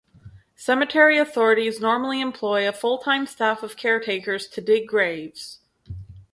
Cemetery authorities normally employ a full-time staff of caretakers to dig graves.